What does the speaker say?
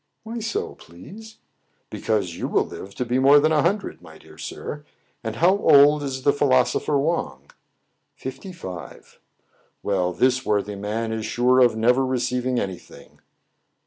" Why so, please ?"" Because you will live to be more than a hun dred, my dear sir. And how old is the philosopher Wang ?" "Fifty five." " Well, this worthy man is sure of never receiv ing any thing."